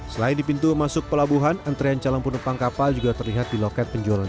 selain di pintu masuk pelabuhan antrean calon penumpang kapal juga terlihat di loket penjualan